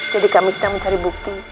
jadi kami sudah mencari bukti